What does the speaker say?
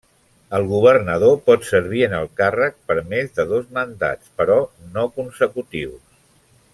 El governador pot servir en el càrrec per més de dos mandats, però no consecutius.